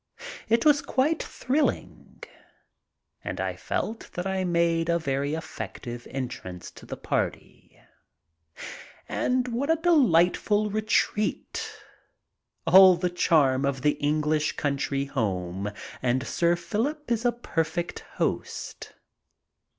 It was quite thrilling and I felt that I made a very effective entrance to the party. And what a delightful retreat ! All the charm of an Eng lish country home, and Sir Philip is a perfect host.